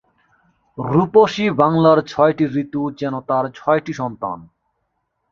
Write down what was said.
রূপসী বাংলার ছয়টি ঋতু যেন তার ছয়টি সন্তান।